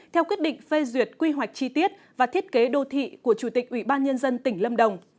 theo quyết định phê duyệt quy hoạch chi tiết và thiết kế đô thị của chủ tịch ủy ban nhân dân tỉnh lâm đồng